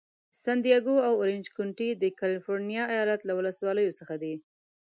سن دیاګو او اورینج کونټي د کالفرنیا ایالت له ولسوالیو څخه دي.